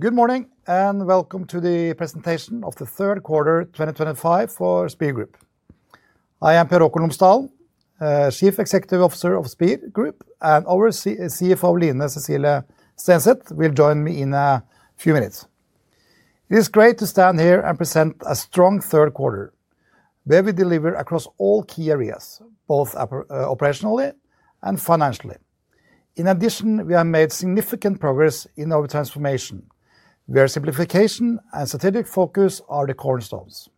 Good morning and welcome to the presentation of the third quarter 2025 for Spir Group. I am Per Haakon Lomsdalen, Chief Executive Officer of Spir Group, and our CFO, Line Cecilie Stenseth, will join me in a few minutes. It is great to stand here and present a strong third quarter where we deliver across all key areas, both operationally and financially. In addition, we have made significant progress in our transformation, where simplification and strategic focus are the cornerstones.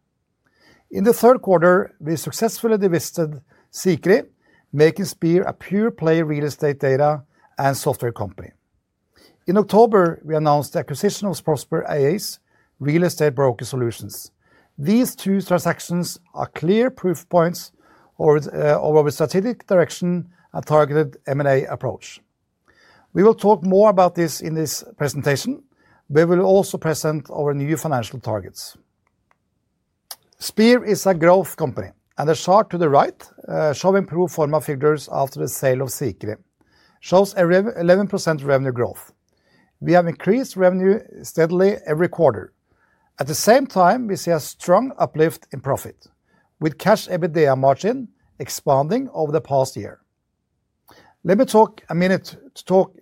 In the third quarter, we successfully divested Sikri, making Spir a pure-play real estate data and software company. In October, we announced the acquisition of Prosper AI's Real Estate Broker Solutions. These two transactions are clear proof points of our strategic direction and targeted M&A approach. We will talk more about this in this presentation, but we will also present our new financial targets. Spir is a growth company, and the chart to the right, showing pro forma figures after the sale of Sikri, shows an 11% revenue growth. We have increased revenue steadily every quarter. At the same time, we see a strong uplift in profit, with cash EBITDA margin expanding over the past year. Let me take a minute to talk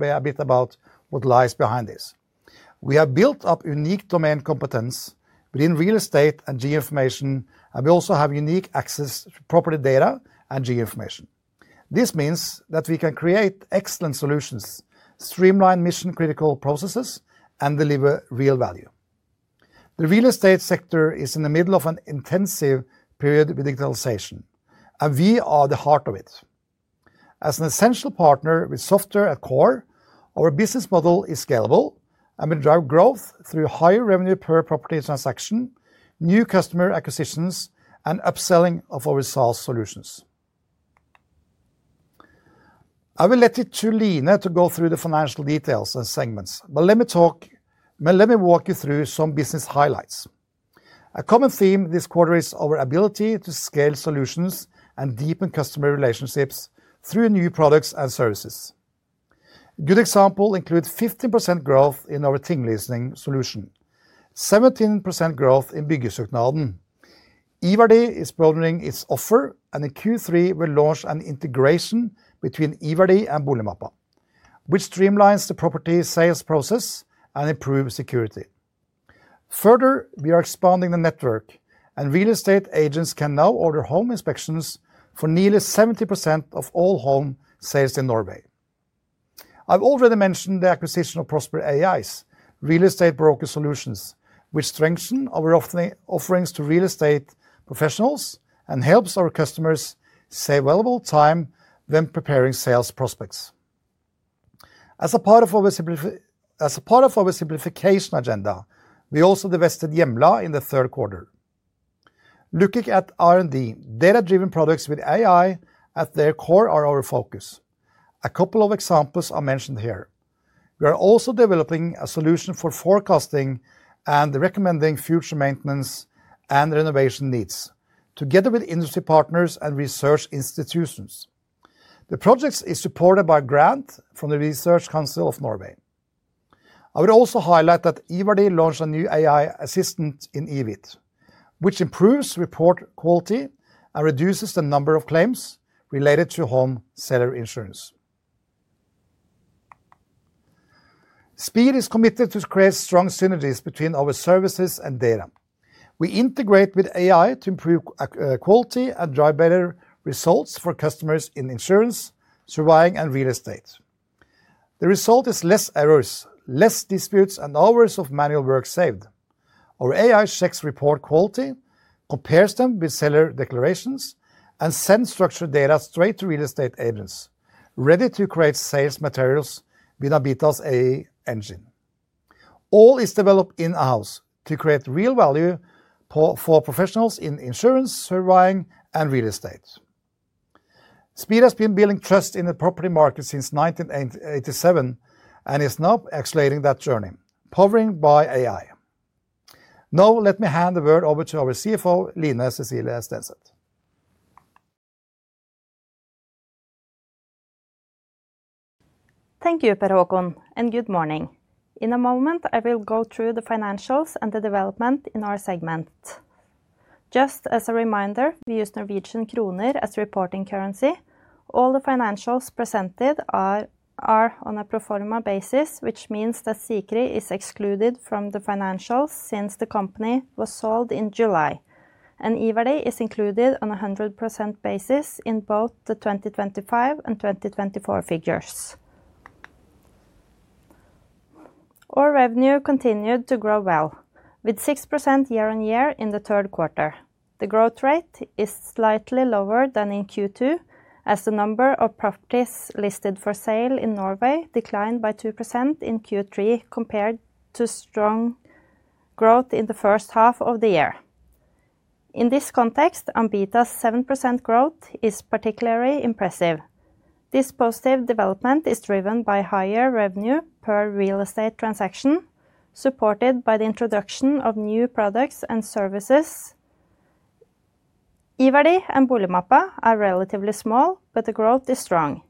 a bit about what lies behind this. We have built up unique domain competence within real estate and geoinformation, and we also have unique access to property data and geoinformation. This means that we can create excellent solutions, streamline mission-critical processes, and deliver real value. The real estate sector is in the middle of an intensive period with digitalization, and we are at the heart of it. As an essential partner with software at core, our business model is scalable, and we drive growth through higher revenue per property transaction, new customer acquisitions, and upselling of our solutions. I will let it to Line to go through the financial details and segments, but let me walk you through some business highlights. A common theme this quarter is our ability to scale solutions and deepen customer relationships through new products and services. Good examples include 15% growth in our Tinglysning solution, 17% growth in Byggesøknaden. iVerdi is broadening its offer, and in Q3, we launched an integration between iVerdi and Boligmappa, which streamlines the property sales process and improves security. Further, we are expanding the network, and real estate agents can now order home inspections for nearly 70% of all home sales in Norway. I've already mentioned the acquisition of Prosper AI's Real Estate Broker Solutions, which strengthens our offerings to real estate professionals and helps our customers save valuable time when preparing sales prospects. As a part of our simplification agenda, we also divested Hjemla in the third quarter. Looking at R&D, data-driven products with AI at their core are our focus. A couple of examples are mentioned here. We are also developing a solution for forecasting and recommending future maintenance and renovation needs, together with industry partners and research institutions. The project is supported by a grant from the Research Council of Norway. I would also highlight that iVerdi launched a new AI assistant in EVIT, which improves report quality and reduces the number of claims related to home seller insurance. Spir is committed to create strong synergies between our services and data. We integrate with AI to improve quality and drive better results for customers in insurance, surveying, and real estate. The result is fewer errors, fewer disputes, and hours of manual work saved. Our AI checks report quality, compares them with seller declarations, and sends structured data straight to real estate agents, ready to create sales materials with Ambita's AI engine. All is developed in-house to create real value for professionals in insurance, surveying, and real estate. Spir has been building trust in the property market since 1987 and is now accelerating that journey, powered by AI. Now, let me hand the word over to our CFO, Line Cecilie Stenseth. Thank you, Per Haakon, and good morning. In a moment, I will go through the financials and the development in our segment. Just as a reminder, we use Norwegian kroner as the reporting currency. All the financials presented are on a pro forma basis, which means that Sikri is excluded from the financials since the company was sold in July, and iVerdi is included on a 100% basis in both the 2025 and 2024 figures. Our revenue continued to grow well, with 6% year-on-year in the third quarter. The growth rate is slightly lower than in Q2, as the number of properties listed for sale in Norway declined by 2% in Q3 compared to strong growth in the first half of the year. In this context, Ambita's 7% growth is particularly impressive. This positive development is driven by higher revenue per real estate transaction, supported by the introduction of new products and services. iVerdi and Boligmappa are relatively small, but the growth is strong.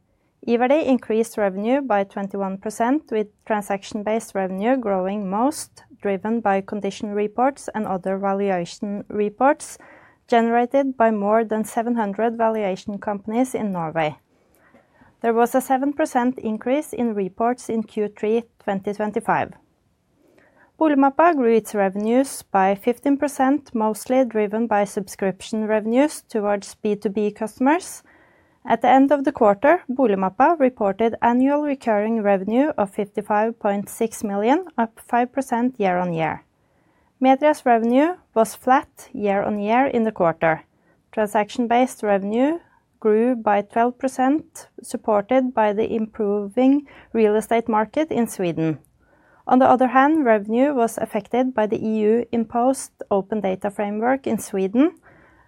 iVerdi increased revenue by 21%, with transaction-based revenue growing most, driven by condition reports and other valuation reports generated by more than 700 valuation companies in Norway. There was a 7% increase in reports in Q3 2025. Boligmappa grew its revenues by 15%, mostly driven by subscription revenues towards B2B customers. At the end of the quarter, Boligmappa reported annual recurring revenue of 55.6 million, up 5% year-on-year. Media's revenue was flat year-on-year in the quarter. Transaction-based revenue grew by 12%, supported by the improving real estate market in Sweden. On the other hand, revenue was affected by the EU-imposed open data framework in Sweden,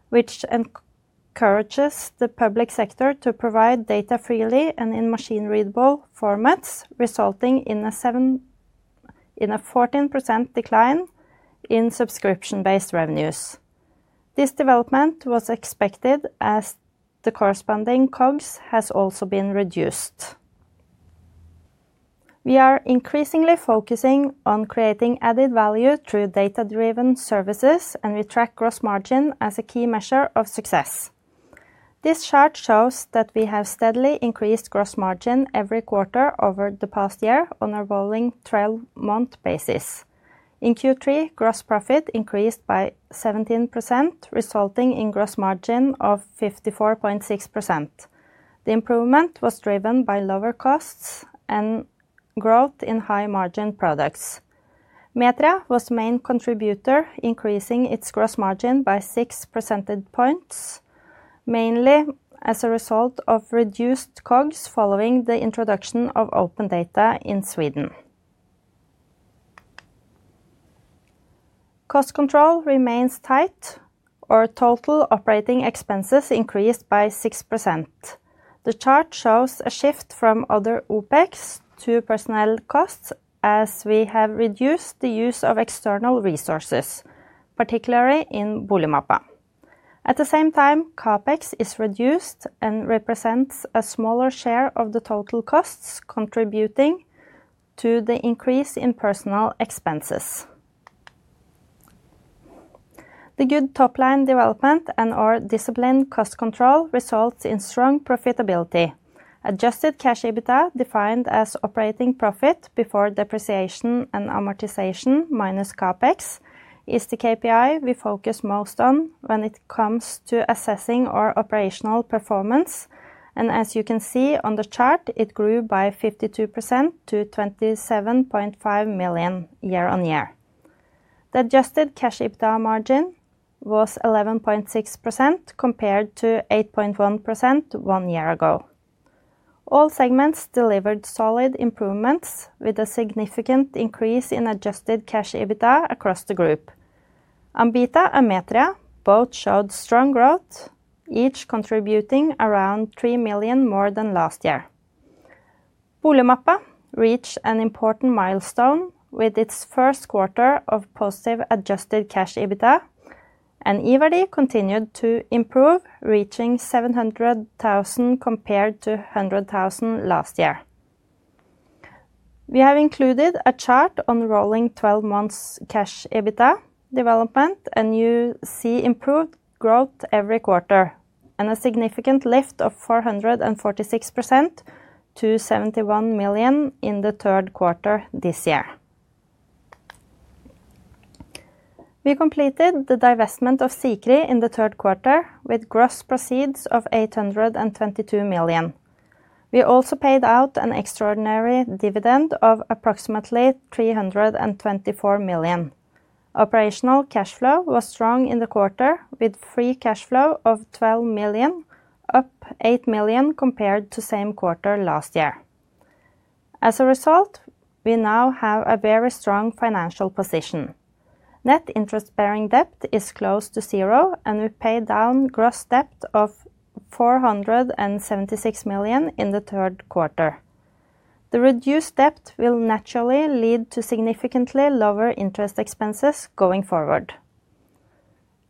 which encourages the public sector to provide data freely and in machine-readable formats, resulting in a 14% decline in subscription-based revenues. This development was expected as the corresponding COGS has also been reduced. We are increasingly focusing on creating added value through data-driven services, and we track gross margin as a key measure of success. This chart shows that we have steadily increased gross margin every quarter over the past year on a rolling 12-month basis. In Q3, gross profit increased by 17%, resulting in gross margin of 54.6%. The improvement was driven by lower costs and growth in high-margin products. Metria was the main contributor, increasing its gross margin by 6 percentage points, mainly as a result of reduced COGS following the introduction of open data in Sweden. Cost control remains tight. Our total operating expenses increased by 6%. The chart shows a shift from other OpEx to personnel costs as we have reduced the use of external resources, particularly in Boligmappa. At the same time, CapEx is reduced and represents a smaller share of the total costs, contributing to the increase in personal expenses. The good top-line development and our disciplined cost control result in strong profitability. Adjusted cash EBITDA, defined as operating profit before depreciation and amortization minus CxpEx, is the KPI we focus most on when it comes to assessing our operational performance, and as you can see on the chart, it grew by 52% to 27.5 million year-on-year. The adjusted cash EBITDA margin was 11.6% compared to 8.1% one year ago. All segments delivered solid improvements, with a significant increase in adjusted cash EBITDA across the group. Ambita and Metria both showed strong growth, each contributing around 3 million more than last year. Boligmappa reached an important milestone with its first quarter of positive adjusted cash EBITDA, and iVerdi continued to improve, reaching 700,000 compared to 100,000 last year. We have included a chart on rolling 12-month cash EBITDA development, and you see improved growth every quarter and a significant lift of 446% to 71 million in the third quarter this year. We completed the divestment of Sikri in the third quarter with gross proceeds of 822 million. We also paid out an extraordinary dividend of approximately 324 million. Operational cash flow was strong in the quarter, with free cash flow of 12 million, up 8 million compared to the same quarter last year. As a result, we now have a very strong financial position. Net interest-bearing debt is close to zero, and we paid down gross debt of 476 million in the third quarter. The reduced debt will naturally lead to significantly lower interest expenses going forward.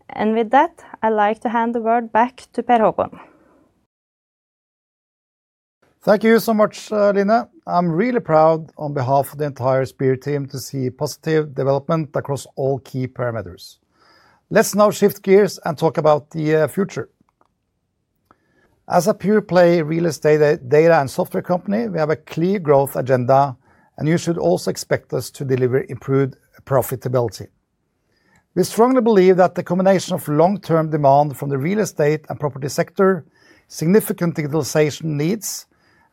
And with that, I'd like to hand the word back to Per Haakon. Thank you so much, Line. I'm really proud, on behalf of the entire Spir team, to see positive development across all key parameters. Let's now shift gears and talk about the future. As a pure-play real estate data and software company, we have a clear growth agenda, and you should also expect us to deliver improved profitability. We strongly believe that the combination of long-term demand from the real estate and property sector, significant digitalization needs,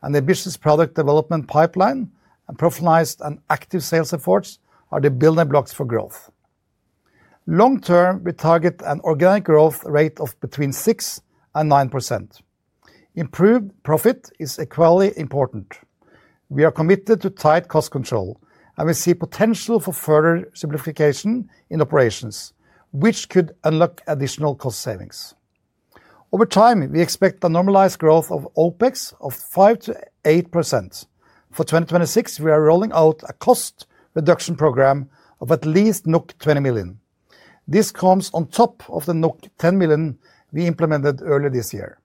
and the ambitious product development pipeline, and profiled and active sales efforts are the building blocks for growth. Long-term, we target an organic growth rate of between 6% and 9%. Improved profit is equally important. We are committed to tight cost control, and we see potential for further simplification in operations, which could unlock additional cost savings. Over time, we expect a normalized growth of OpEx of 5%-8%. For 2026, we are rolling out a cost reduction program of at least 20 million. This comes on top of the 10 million we implemented earlier this year.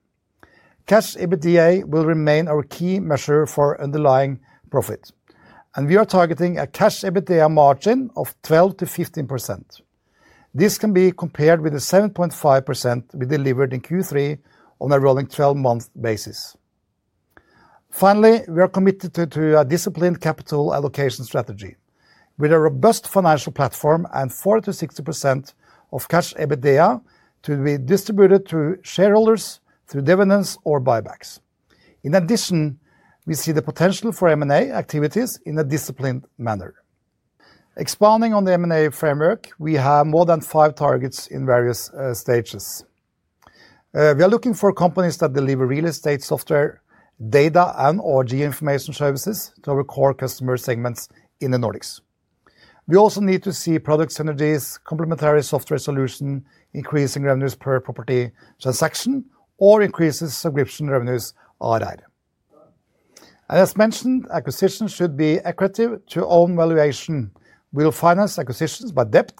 Cash EBITDA will remain our key measure for underlying profit, and we are targeting a cash EBITDA margin of 12%-15%. This can be compared with the 7.5% we delivered in Q3 on a rolling 12-month basis. Finally, we are committed to a disciplined capital allocation strategy with a robust financial platform and 40%-60% of cash EBITDA to be distributed to shareholders through dividends or buybacks. In addition, we see the potential for M&A activities in a disciplined manner. Expanding on the M&A framework, we have more than five targets in various stages. We are looking for companies that deliver real estate software, data, and organizational information services to our core customer segments in the Nordics. We also need to see product synergies, complementary software solutions, increasing revenues per property transaction, or increases in subscription revenues are added. As mentioned, acquisitions should be accretive to our valuation. We will finance acquisitions by debt,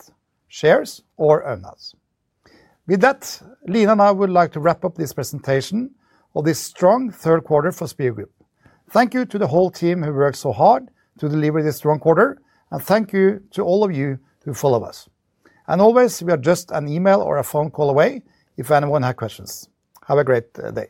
shares, or earnings. With that, Line and I would like to wrap up this presentation of this strong third quarter for Spir Group. Thank you to the whole team who worked so hard to deliver this strong quarter, and thank you to all of you who follow us. As always, we are just an email or a phone call away if anyone has questions. Have a great day.